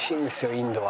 インドは。